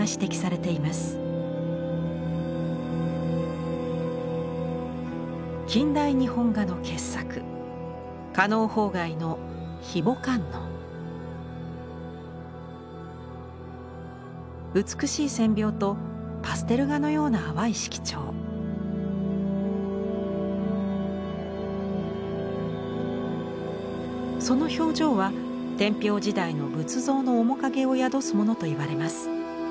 その表情は天平時代の仏像の面影を宿すものと言われます。